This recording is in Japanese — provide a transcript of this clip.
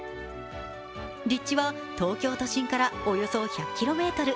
立地は東京都心からおよそ１００ｋｍ。